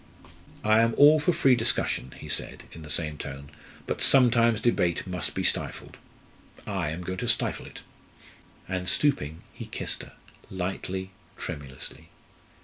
"I am all for free discussion," he said in the same tone; "but sometimes debate must be stifled. I am going to stifle it!" And stooping, he kissed her, lightly, tremulously.